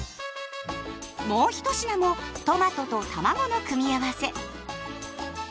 もう１品もトマトとたまごの組み合わせ。